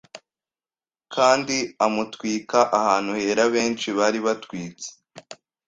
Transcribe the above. Kandi amutwika ahantu hera benshi bari batwitse